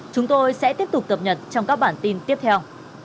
chúng tôi sẽ tiếp tục cập nhật trong các bản tin tiếp theo